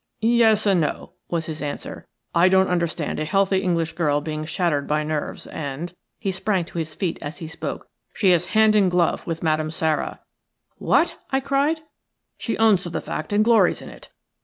"Yes and no," was his answer. "I don't understand a healthy English girl being shattered by nerves, and" – he sprang to his feet as he spoke – "she is hand and glove with Madame Sara." "What!" I cried. "She owns to the fact and glories in it.